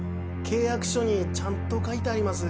契約書にちゃんと書いてあります。